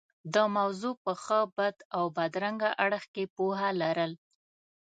د موضوع په ښه، بد او بدرنګه اړخ کې پوهه لرل.